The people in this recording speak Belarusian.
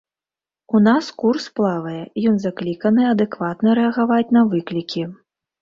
У нас курс плавае, ён закліканы адэкватна рэагаваць на выклікі.